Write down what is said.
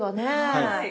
はい。